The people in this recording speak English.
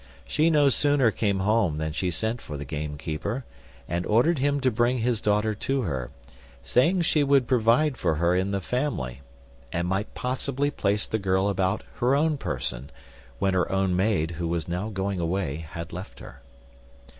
She no sooner came home than she sent for the gamekeeper, and ordered him to bring his daughter to her; saying she would provide for her in the family, and might possibly place the girl about her own person, when her own maid, who was now going away, had left her.